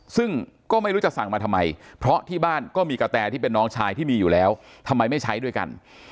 ซึ่งก็ไม่รู้จะสั่งมาทำไมเพราะที่บ้านก็มีกระแตที่เป็นน้องชายที่มีอยู่แล้วทำไมไม่ใช้ด้วยกัน